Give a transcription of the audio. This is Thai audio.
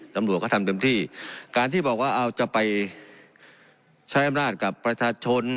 ตำรวจก็ทำเต็มที่การที่บอกว่าเอาจะไปใช้อำนาจกับประชาชน